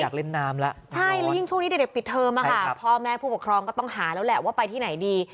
อยากเล่นน้ำแล้วใช่แล้วยิ่งช่วงนี้เด็กปิดเทอมอะค่ะพ่อแม่ผู้ปกครองก็ต้องหาแล้วแหละว่าไปที่ไหนดี